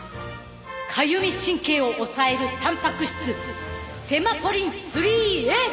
かゆみ神経を抑えるたんぱく質セマフォリン３Ａだ！